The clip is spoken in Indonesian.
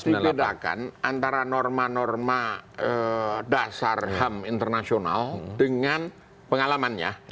harus dibedakan antara norma norma dasar ham internasional dengan pengalamannya